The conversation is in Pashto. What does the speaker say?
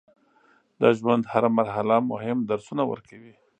د ژوند هره مرحله مهم درسونه ورکوي.